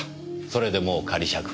それでもう仮釈放。